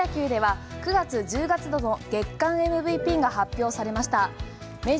そしてプロ野球では９月・１０月度の月間ＭＶＰが発表されました。